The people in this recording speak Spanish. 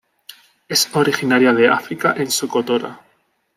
Es originaria de África en Socotora.